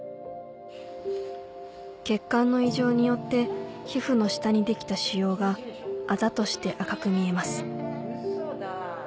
血管の異常によって皮膚の下にできた腫瘍があざとして赤く見えます